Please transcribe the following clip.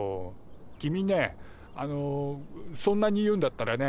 君ねあのそんなに言うんだったらね